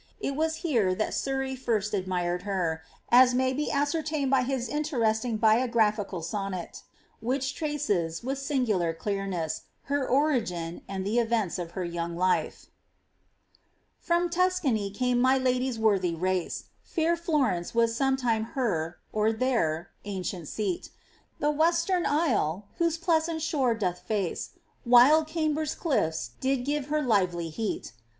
It was here that Surrey first admired her, as may be aacertained by his interesting biographical sonnet, which traces, with angular clearnesa, her origin, and the events of her young life :— "From Tuscany came my lady's worthy race ;' Pair Florence was sometime htr (their) ancient seat; The western isle,* whose pleasant shore ciotli face Wild Camber's clilTs, did give her lively heat.